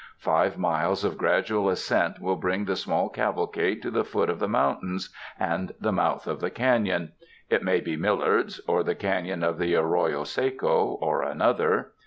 Five miles of gradual ascent will bring the small cavalcade to the foot of the moun tains and the mouth of the canon — it may be Mil lard's or the Caiion of the Arroyo Seco or another.